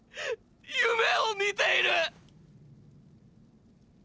夢を見ている！！